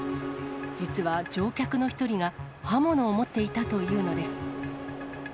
実は乗客の一人が刃物を持っていたというのです。